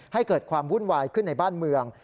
ให้เกิดความวุ่นวายขึ้นในบ้านเมือง